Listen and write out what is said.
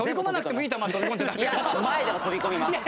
いや前でも飛び込みます。